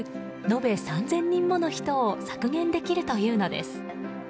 延べ３０００人もの人を削減できるというのです。